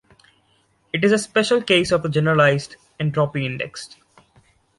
It is a special case of the generalized entropy index.